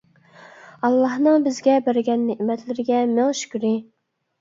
ئاللانىڭ بىزگە بەرگەن نېمەتلىرىگە مىڭ شۈكرى.